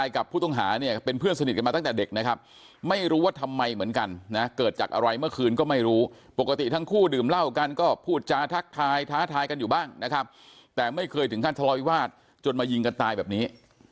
ขึนก็ไม่รู้ปกติทั้งคู่ดื่มเหล้ากันก็พูดจาทักทายท้าทายกันอยู่บ้างนะครับแต่ไม่เคยถึงห้านทะลวิวาสจนมายิงกันตายแบบนี้